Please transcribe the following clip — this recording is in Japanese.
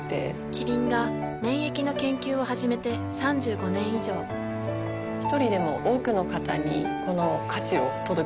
キリンが免疫の研究を始めて３５年以上一人でも多くの方にこの価値を届けていきたいと思っています。